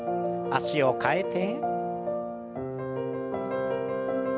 脚を替えて。